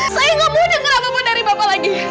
saya gak mau denger apa apa dari bapak lagi